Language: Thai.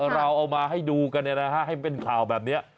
เราเอามาให้ดูกันให้เป็นข่าวแบบนี้